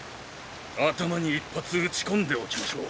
頭に一発撃ち込んでおきましょう。